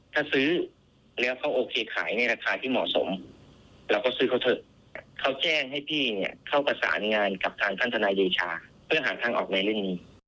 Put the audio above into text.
ถ้าซื้อแล้วเขาโอเคขายในราคาที่เหมาะสมเราก็ซื้อเขาเถอะเขาแจ้งให้พี่เนี่ยเข้าประสานงานกับทางท่านทนายเดชาเพื่อหาทางออกในเรื่องนี้